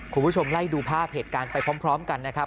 คุณผู้ชมไล่ดูภาพเหตุการณ์ไปพร้อมกันนะครับ